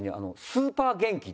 スーパー元気。